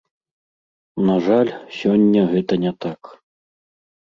На жаль, сёння гэта не так.